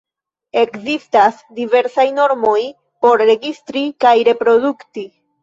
Ekzistas diversaj normoj por registri kaj reprodukti.